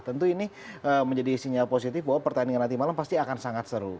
tentu ini menjadi sinyal positif bahwa pertandingan nanti malam pasti akan sangat seru